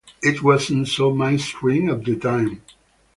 It wasn't so mainstream at the time.